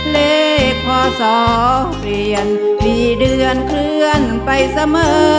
เลขพศเปลี่ยนมีเดือนเคลื่อนไปเสมอ